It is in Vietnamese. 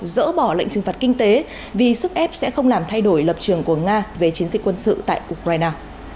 dỡ bỏ lệnh trừng phạt kinh tế vì sức ép sẽ không làm thay đổi lập trường của nga về chiến dịch quân sự tại ukraine